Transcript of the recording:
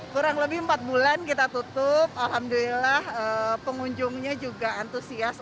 kurang lebih empat bulan kita tutup alhamdulillah pengunjungnya juga antusias